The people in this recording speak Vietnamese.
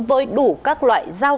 với đủ các loại giao